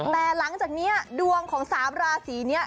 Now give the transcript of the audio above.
แต่หลังจากนี้ดวงของ๓ราศีนี้